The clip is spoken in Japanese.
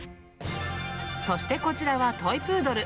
そしてこちらはトイプードル。